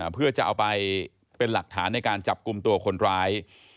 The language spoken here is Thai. เพื่อจะเอาไปเป็นหลักฐานในการจับกลุ่มตัวคนร้าย